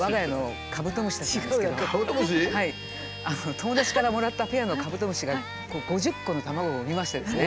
友達からもらったペアのカブトムシが５０個の卵を産みましてですね